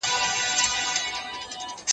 لومړۍ خښته کږه وه، دا ماڼۍ به را نړېږي